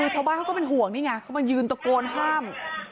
ชาวบ้านเขาก็ห่วงเงี่ยเขามายืนตะโกนห้าม